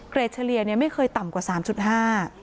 เกรดเฉลี่ยไม่เคยต่ำกว่า๓๕